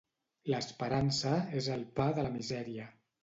L'esperança és el pa de la misèria.